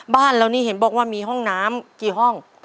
บ้านเรานี่เห็นบอกว่ามีห้องน้ำกี่ห้อง